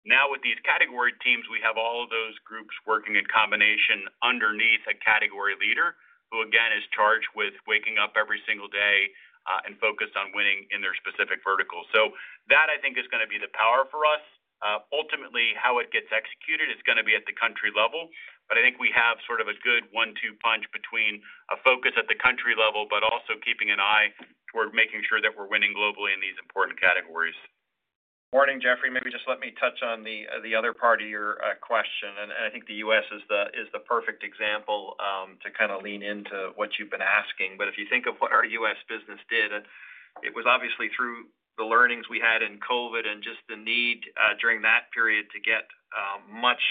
C: Now, with these category teams, we have all of those groups working in combination underneath a category leader who, again, is charged with waking up every single day and focused on winning in their specific vertical. So that, I think, is going to be the power for us. Ultimately, how it gets executed is going to be at the country level. I think we have sort of a good one-two punch between a focus at the country level, but also keeping an eye toward making sure that we're winning globally in these important categories.
D: Morning, Jeffrey. Maybe just let me touch on the other part of your question. I think the U.S. is the perfect example to kind of lean into what you've been asking. If you think of what our U.S. business did, it was obviously through the learnings we had in COVID and just the need during that period to get much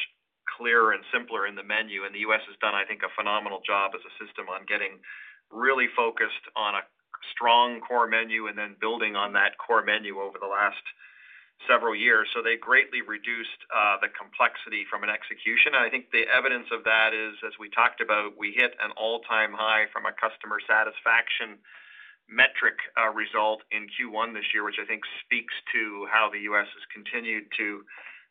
D: clearer and simpler in the menu. The U.S. has done, I think, a phenomenal job as a system on getting really focused on a strong core menu and then building on that core menu over the last several years. They greatly reduced the complexity from an execution. I think the evidence of that is, as we talked about, we hit an all-time high from a customer satisfaction metric result in Q1 this year, which I think speaks to how the U.S. has continued to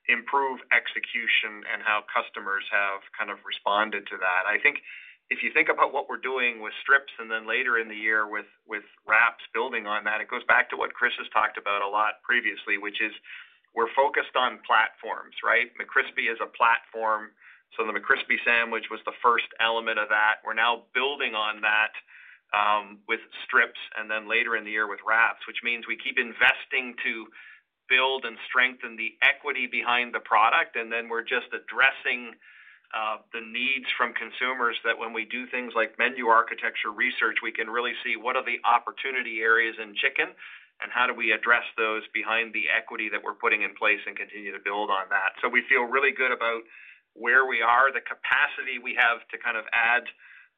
D: improve execution and how customers have kind of responded to that. I think if you think about what we're doing with strips and then later in the year with wraps building on that, it goes back to what Chris has talked about a lot previously, which is we're focused on platforms, right? McCrispy is a platform. So the McCrispy sandwich was the first element of that. We're now building on that with strips and then later in the year with wraps, which means we keep investing to build and strengthen the equity behind the product. We are just addressing the needs from consumers that when we do things like menu architecture research, we can really see what are the opportunity areas in chicken and how do we address those behind the equity that we're putting in place and continue to build on that. We feel really good about where we are, the capacity we have to kind of add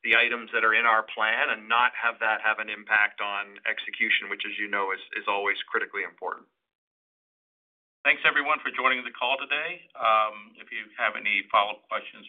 D: the items that are in our plan and not have that have an impact on execution, which, as you know, is always critically important.
B: Thanks, everyone, for joining the call today. If you have any follow-up questions.